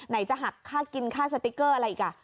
ไหนจะหักค่ากินค่าสติ๊กเกอร์อะไรอีก